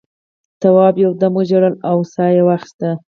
تواب یو دم وژړل او سا یې واخیسته.